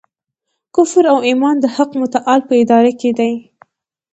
کفر او ایمان د حق متعال په اراده کي دی.